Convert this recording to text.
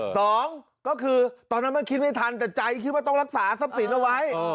สองก็คือตอนนั้นมันคิดไม่ทันแต่ใจคิดว่าต้องรักษาทรัพย์สินเอาไว้